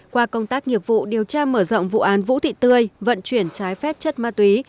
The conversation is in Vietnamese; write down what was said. qua công tác nghiệp vụ điều tra mở rộng vụ án vũ thị tươi vận chuyển trái phép chất ma túy